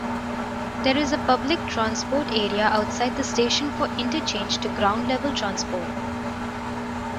There is a public transport area outside the station for interchange to ground-level transport.